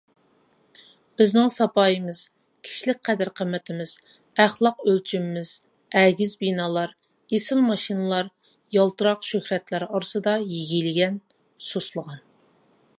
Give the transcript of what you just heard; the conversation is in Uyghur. بىزنىڭ ساپايىمىز، كىشىلىك قەدىر-قىممىتىمىز، ئەخلاق ئۆلچىمىمىز ئەگىز بىنالار، ئېسىل ماشىنىلار، يالتىراق شۆھرەتلەر ئارىسىدا يىگلىگەن، سۇسلىغان.